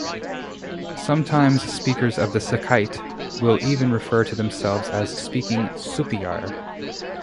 Sometimes speakers of Sucite will even refer to themselves as speaking Supyire.